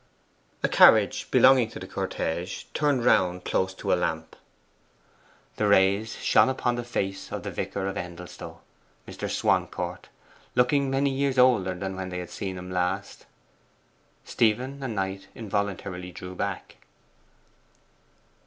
A carriage belonging to the cortege turned round close to a lamp. The rays shone in upon the face of the vicar of Endelstow, Mr. Swancourt looking many years older than when they had last seen him. Knight and Stephen involuntarily drew back.